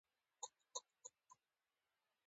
کندز سیند د افغانستان د ځایي اقتصادونو بنسټ دی.